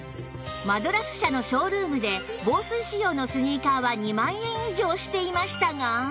マドラス社のショールームで防水仕様のスニーカーは２万円以上していましたが